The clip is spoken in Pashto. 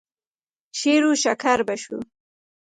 شېروشکر به شو.